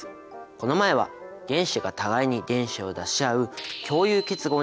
この前は原子が互いに電子を出し合う共有結合について知りました。